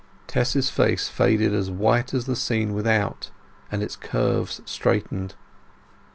Tess's face faded as white as the scene without, and its curves straightened.